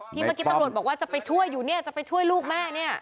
เมื่อกี้ตำรวจบอกว่าจะไปช่วยอยู่เนี่ยจะไปช่วยลูกแม่เนี่ย